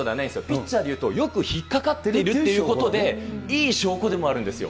ピッチャーでいうとよく引っ掛かっているということで、いい証拠でもあるんですよ。